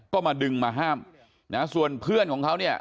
ก็มาดึงมาห้ามนะส่วนเพื่อนของเขาเนี่ย